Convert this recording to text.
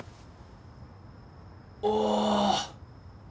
お。